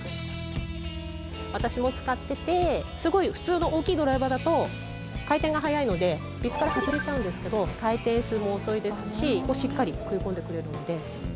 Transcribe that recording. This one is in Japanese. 私も使ってて普通の大きいドライバーだと回転が速いのでビスから外れちゃうんですけど回転数も遅いですししっかり食い込んでくれるので。